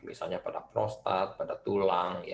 misalnya pada prostat pada tulang